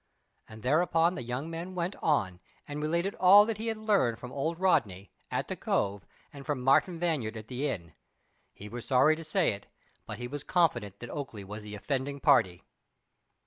And thereupon the young man went on and related all that he had learned from old Rodney, at the Cove, and from Martin Vanyard at the inn. He was sorry to say it, but he was confident that Oakleigh was the offending party.